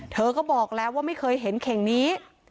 เธอก็บอกแล้วว่าไม่เคยเห็นเข่งนี้